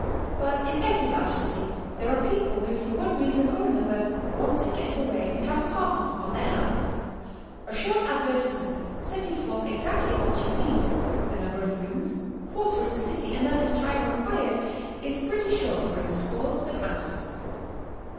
But in every large city there are people who for one reason or another want to get away and have apart ments on their hands. A short advertisement setting forth • exactly what you need, the number of rooms, quarter of the city, and length of time required, is pretty sure to bring scores of answers.